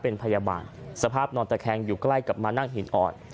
เป็นพยาบาลสภาพนอนตะแคงอยู่ใกล้กับมานั่งหินอ่อน